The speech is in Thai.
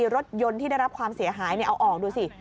รถยนต์ที่ได้รับความเสียหายเอาออกดูสิ